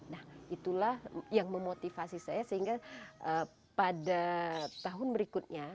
nah itulah yang memotivasi saya sehingga pada tahun berikutnya